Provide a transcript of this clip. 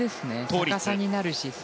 逆さになる姿勢。